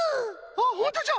あっホントじゃ！